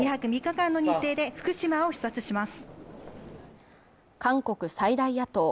二泊三日の日程で福島を視察します。